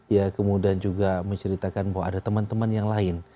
ya kemudian juga menceritakan bahwa ada teman teman yang lain